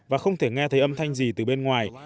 và không thể nghe thấy âm thanh gì từ bên ngoài